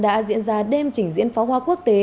đã diễn ra đêm trình diễn pháo hoa quốc tế